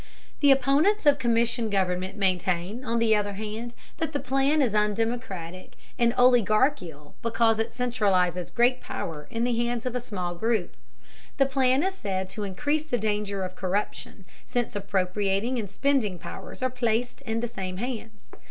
The opponents of commission government maintain, on the other hand, that the plan is undemocratic and oligarchical because it centralizes great power in the hands of a small group. The plan is said to increase the danger of corruption, since appropriating and spending powers are placed in the same hands.